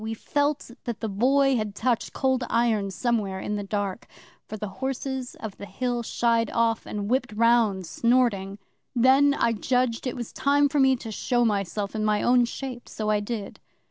We felt that the Boy had touched Cold Iron somewhere in the dark, for the Horses of the Hill shied off, and whipped round, snorting. 'Then I judged it was time for me to show myself in my own shape; so I did.